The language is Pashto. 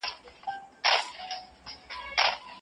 وروسته {وَالْقُرْءَانِ ذِى الذِّكْرِ} ذکر سوی دی.